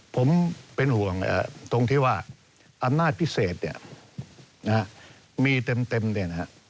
ผมเป็นห่วงตรงที่ว่าอำนาจพิเศษมีเต็มเนี่ยนะครับ